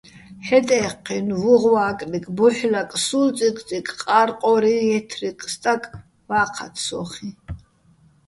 ჰ̦ეტ-ეჴჴინო̆, ვუღვა́კრიკ, ბუჰ̦ლაკ, სულწიკწიკ, ყა́რყო́რი ჲე́თთრიკ სტაკ ვა́ჴათ სო́ხიჼ!